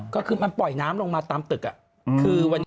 ก็คือมันปล่อยน้ำลงมาตามตึก